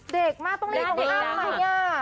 เด็กมาต้องเรียกของอ้ำไหม